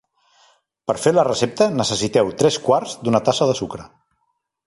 Per fer la recepta, necessiteu tres quarts d'una tassa de sucre.